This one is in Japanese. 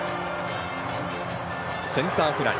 センターフライ。